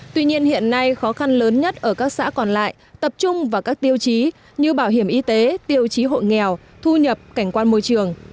tuy nhiên hiện nay khó khăn lớn nhất ở các xã còn lại tập trung vào các tiêu chí như bảo hiểm y tế tiêu chí hội nghèo thu nhập cảnh quan môi trường